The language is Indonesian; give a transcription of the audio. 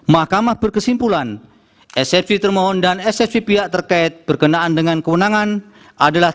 mahkamah berkesimpulan eksepsi termohon dan ssv pihak terkait berkenaan dengan kewenangan adalah